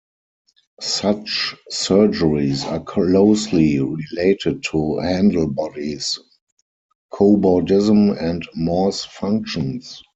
Such surgeries are closely related to handlebodies, cobordism and Morse functions.